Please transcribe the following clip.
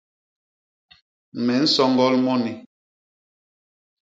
Me nsoñgol moni.